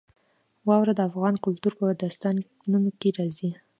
واوره د افغان کلتور په داستانونو کې راځي.